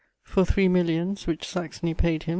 For three millions which Saxony paid him, M.